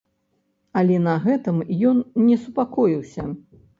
Але на гэтым ён не супакоіўся.